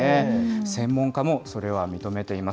専門家もそれは認めています。